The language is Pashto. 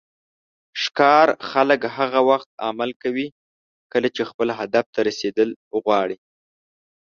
ښکار خلک هغه وخت عمل کوي کله چې خپل هدف ته رسیدل غواړي.